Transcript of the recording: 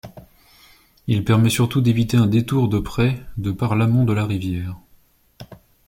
Il permet surtout d'éviter un détour de près de par l'amont de la rivière.